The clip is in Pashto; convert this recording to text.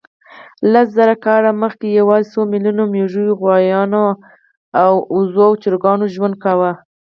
لس زره کاله مخکې یواځې څو میلیونو مېږو، غویانو، اوزو او چرګانو ژوند کاوه.